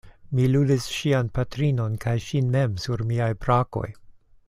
Mi lulis ŝian patrinon kaj ŝin mem sur miaj brakoj.